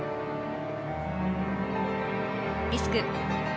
リスク。